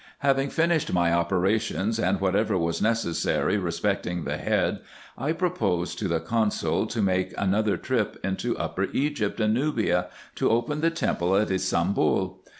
Having finished my operations, and whatever was necessary respecting the head, I proposed to the consul, to make another trip into Upper Egypt and Nubia, to open the temple at Ybsambul.